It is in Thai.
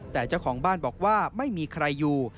แต่เจ้าของบ้านบอกว่าไม่มีใครอยู่